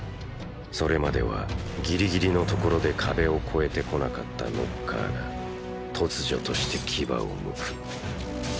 それまではギリギリのところで壁を越えてこなかったノッカーが突如として牙をむく。